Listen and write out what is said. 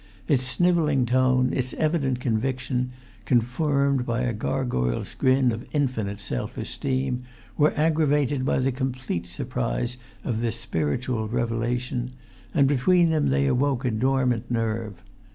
Its snivelling tone, its evident conviction (confirmed by a gargoyle's grin of infinite self esteem), were aggravated by the complete surprise of this spiritual revelation; and between them they awoke a dormant nerve.